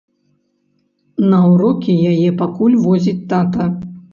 На ўрокі яе пакуль возіць тата.